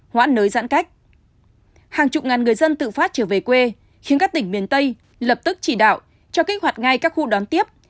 hàng chục ngàn người dân tự phát trở về quê khiến các tỉnh miền tây lập tức chỉ đạo cho kích hoạt ngay các khu đón tiếp